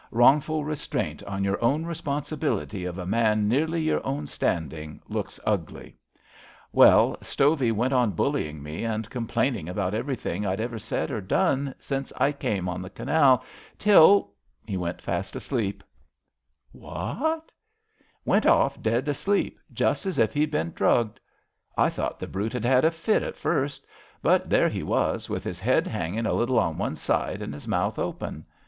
Wrongful restraint on your own responsibility of a man nearly your own standing looks ugly. Well, Stoyey went on bullying me and complaining about everything I'd ever said or done since I came on the Canal, tiU— he went fast asleep." HIS BROTHER'S KEEPER 121 '' Wha atl ''Went off dead asleep, just as if he'd been drugged. I thought the brute had had a fit at first, but there he was, with his head hanging a little on one side and his mouth open.